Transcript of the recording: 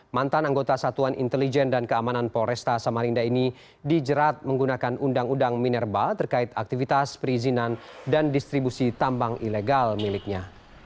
mantan anggota satuan intelijen dan keamanan polresta samarinda ini dijerat menggunakan undang undang minerba terkait aktivitas perizinan dan distribusi tambang ilegal miliknya